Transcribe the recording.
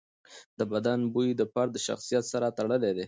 د بدن بوی د فرد شخصیت سره تړلی دی.